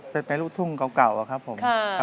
เป็นเพลงรูปทุ่มเก่าครับผม